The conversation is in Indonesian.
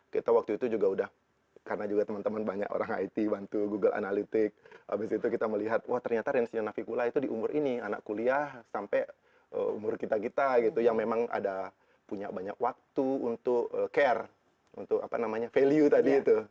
kita waktu itu juga udah karena juga teman teman banyak orang it bantu google analytic abis itu kita melihat wah ternyata riansinya navikula itu di umur ini anak kuliah sampai umur kita kita gitu yang memang ada punya banyak waktu untuk care untuk apa namanya value tadi itu